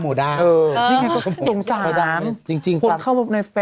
หยิบตีเจ้าขนาดนี้จะจบรายการอ่ะ